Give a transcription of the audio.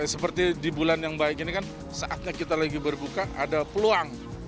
seperti di bulan yang baik ini kan saatnya kita lagi berbuka ada peluang